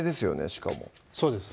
しかもそうです